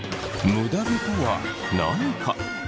むだ毛とは何か？